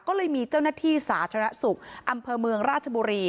ก็เลยมีเจ้าหน้าที่สาธารณสุขอำเภอเมืองราชบุรี